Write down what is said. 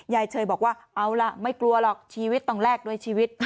เชยบอกว่าเอาล่ะไม่กลัวหรอกชีวิตต้องแลกด้วยชีวิต